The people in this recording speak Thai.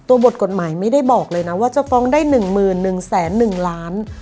บทกฎหมายไม่ได้บอกเลยนะว่าจะฟ้องได้๑๑๑ล้าน